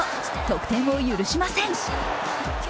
得点を許しません。